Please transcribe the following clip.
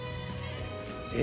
え